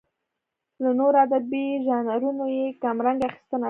له نورو ادبي ژانرونو یې کمرنګه اخیستنه نه ده.